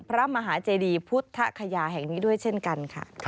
พระมหาเจดีพุทธคยาแห่งนี้ด้วยเช่นกันค่ะ